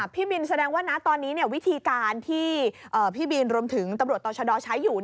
พี่บินแสดงว่านะตอนนี้วิธีการที่พี่บินรวมถึงตำรวจต่อชะดอใช้อยู่